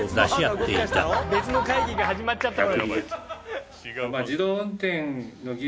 別の会議が始まっちゃった。